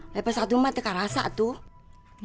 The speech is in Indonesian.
level satu mah teka rasa tuh